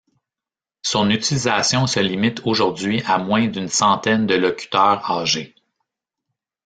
Son utilisation se limite aujourd'hui à moins d'une centaine de locuteurs âgés.